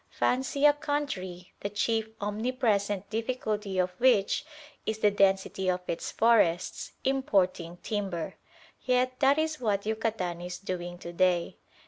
Fancy a country, the chief omnipresent difficulty of which is the density of its forests, importing timber! Yet that is what Yucatan is doing to day.